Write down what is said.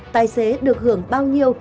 tài xế được hưởng bao nhiêu